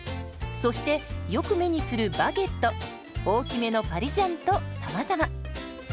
そしてよく目にするバゲット大きめのパリジャンとさまざま。